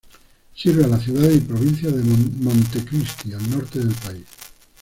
Sirve a la ciudad y provincia de Montecristi, al norte del país.